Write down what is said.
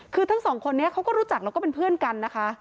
คือทั้งสองคนนี้เขาก็รู้จักแล้วก็เป็นเพื่อนกันนะคะ